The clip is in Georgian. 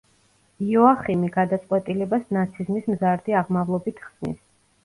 იოახიმი გადაწყვეტილებას ნაციზმის მზარდი აღმავლობით ხსნის.